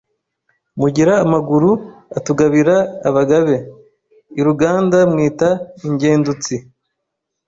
Mugira amaguru atugabira Abagabe ’i Ruganda Mwitwa ingendutsi